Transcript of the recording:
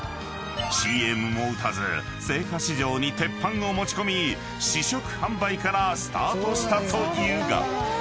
［ＣＭも打たず青果市場に鉄板を持ち込み試食販売からスタートしたというが］